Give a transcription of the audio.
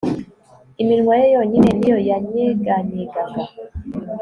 iminwa ye yonyine ni yo yanyeganyegaga